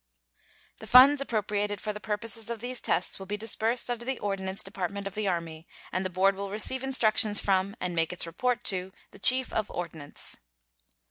The funds appropriated for the purposes of these tests will be disbursed under the Ordnance Department of the Army, and the board will receive instructions from and make its report to the Chief of Ordnance.